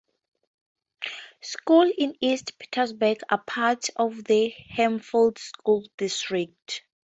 Schools in East Petersburg are part of the Hempfield School District.